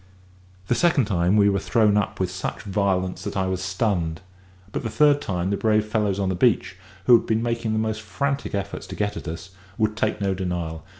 The second time we were thrown up with such violence that I was stunned; but the third time the brave fellows on the beach, who had been making the most frantic efforts to get at us, would take no denial.